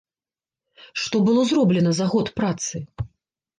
Што было зроблена за год працы?